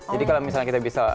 jadi kalau misalnya kita bisa